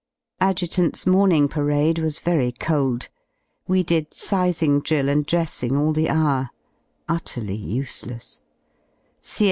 Adj/s Morning Parade was very cold. We did sizing drill and dressing all the hour: utterly useless.